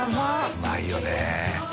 うまいよね。